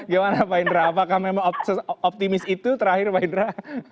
gimana pak indra apakah memang optimis itu terakhir pak indra